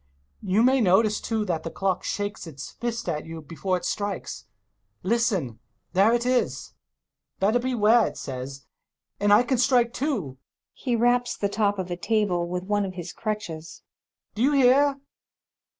You may notice, too, that the clock shakes its fist at you before it strikes. Listen ! There it is ! "Bet ter beware," it says. ... And I can strike, too [He raps the top of a table with one of his crutches] Do you hear